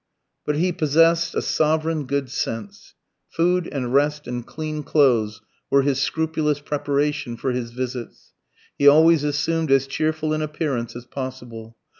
But he possessed a sovran good sense. Food and rest and clean clothes were his scrupulous preparation for his visits. He always assumed as cheerful an appearance as possible.